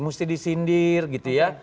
mesti disindir gitu ya